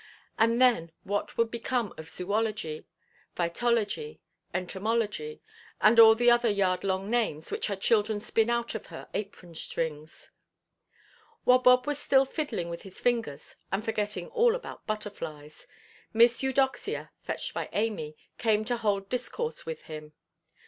And then what would become of zoology, phytology, entomology, and all the other yard–long names which her children spin out of her apron–strings? While Bob was still fiddling with his fingers, and forgetting all about butterflies, Miss Eudoxia, fetched by Amy, came to hold discourse with him.